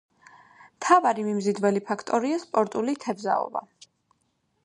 მთავარი მიმზიდველი ფაქტორია სპორტული თევზაობა.